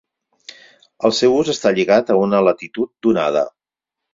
El seu ús està lligat a una latitud donada.